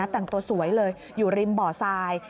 ในนั้นแต่งตัวสวยเลยอยู่ริมบ่อซาน